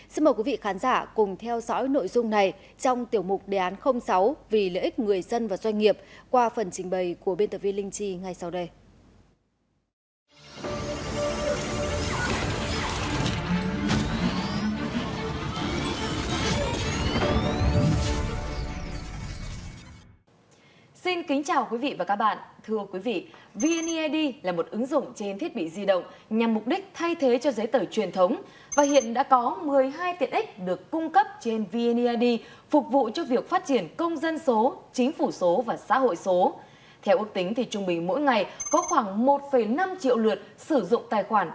xin mời quý vị khán giả cùng theo dõi nội dung này trong tiểu mục đề án sáu vì lợi ích người dân và doanh nghiệp qua phần trình bày của biên tập viên linh chi ngay sau đây